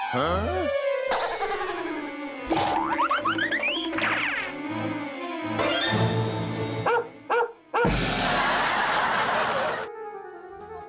หา